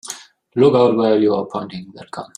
Look out where you're pointing that gun!